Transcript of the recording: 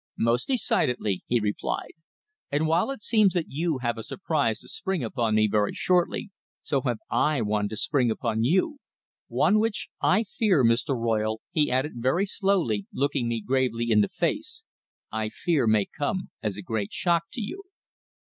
"Most decidedly," he replied; "and while it seems that you have a surprise to spring upon me very shortly, so have I one to spring upon you one which I fear, Mr. Royle," he added very slowly, looking me gravely in the face "I fear may come as a great shock to you."